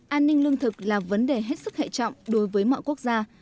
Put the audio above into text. an ninh lương thực là vấn đề hết sức hệ trọng đối với mọi quốc gia